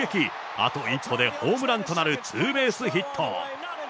あと一歩でホームランとなるツーベースヒット。